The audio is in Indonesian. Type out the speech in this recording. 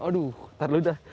aduh ntar dulu dah